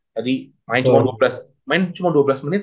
tadi main cuma dua belas menit